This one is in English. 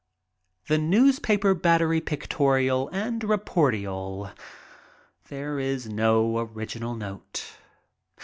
The newspaper battery pictorial and reportorial. There is no original note.